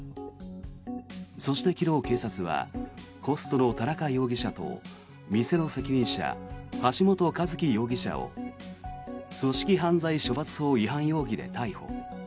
そして昨日、警察はホストの田中容疑者と店の責任者、橋本一喜容疑者を組織犯罪処罰法違反容疑で逮捕。